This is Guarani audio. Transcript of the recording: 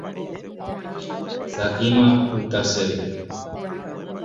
Sa'íma opyta chéve.